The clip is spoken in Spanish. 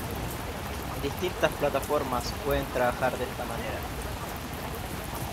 Distintas plataformas pueden trabajar de esta manera.